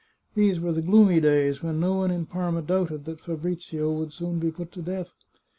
These were the gloomy days when no one in Parma doubted that Fabrizio would soon be put to death.